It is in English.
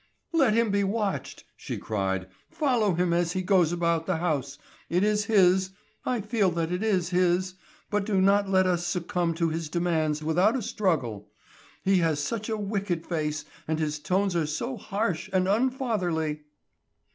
"Let him be watched," she cried; "follow him as he goes about the house. It is his; I feel that it is his, but do not let us succumb to his demands without a struggle. He has such a wicked face, and his tones are so harsh and unfatherly."